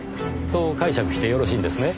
そう解釈してよろしいんですね。